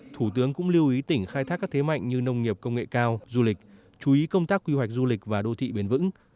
thủ tướng cũng lưu ý tỉnh khai thác các thế mạnh như nông nghiệp công nghệ cao du lịch chú ý công tác quy hoạch du lịch và đô thị bền vững